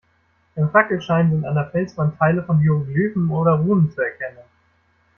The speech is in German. Im Fackelschein sind an der Felswand Teile von Hieroglyphen oder Runen zu erkennen.